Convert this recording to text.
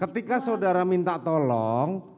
ketika saudara minta tolong